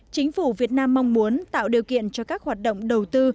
chính phủ việt nam mong muốn tạo điều kiện cho các hoạt động đầu tư